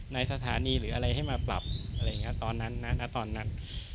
ในสถานีหรืออะไรให้มาปรับอะไรอย่างนี้ตอนนั้นนะตอนนั้น